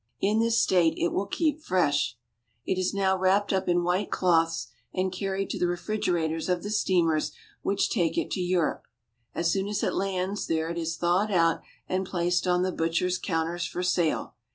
In this state it will keep fresh. It is now wrapped up in white cloths and carried to the refrig erators of the steamers which take it to Europe. As soon as it lands there it is thawed out and placed on the butchers' counters for sale.